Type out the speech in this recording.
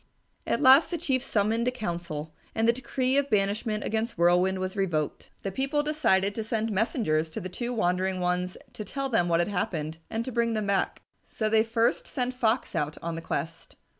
At last the Chief summoned a council, and the decree of banishment against Whirlwind was revoked. The people decided to send messengers to the two wandering ones to tell them what had happened and to bring them back. So they first sent Fox out on the quest.